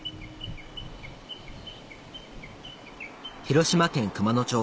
広島県熊野町